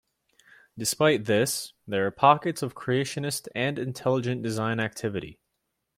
Despite this, there are pockets of creationist and intelligent design activity.